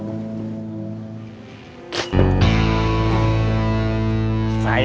bos gak usah takut